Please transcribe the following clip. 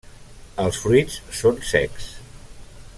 Els fruits són secs.